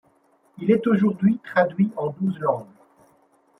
Il est aujourd’hui traduit en douze langues.